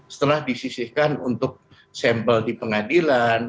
setelah disisihkan untuk sampel di pengadilan